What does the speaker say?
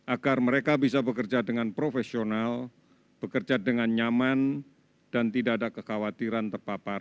agar mereka bisa bekerja dengan profesional bekerja dengan nyaman dan tidak ada kekhawatiran terpapar